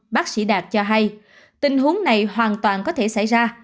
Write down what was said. bác sĩ đạt cho hay tình huống này hoàn toàn có thể xảy ra